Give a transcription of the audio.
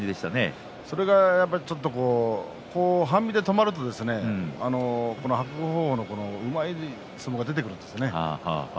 それがちょっと半身で止まると伯桜鵬の前に出る相撲が出てくるんですね。